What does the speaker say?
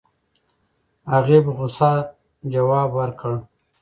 هغې په غوسه ځواب ورکړ.